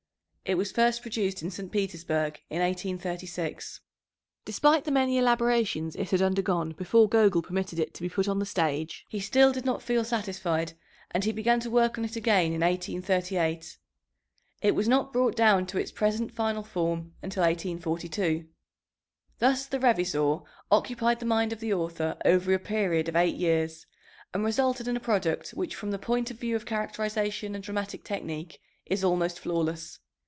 It was first produced in St. Petersburg, in 1836. Despite the many elaborations it had undergone before Gogol permitted it to be put on the stage, he still did not feel satisfied, and he began to work on it again in 1838. It was not brought down to its present final form until 1842. Thus the Revizor occupied the mind of the author over a period of eight years, and resulted in a product which from the point of view of characterization and dramatic technique is almost flawless.